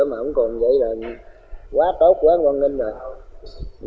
mà không còn vậy là quá tốt quá ngon linh rồi